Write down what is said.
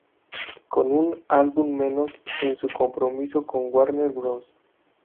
Con un álbum menos en su compromiso con Warner Bros.